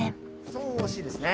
そう惜しいですね。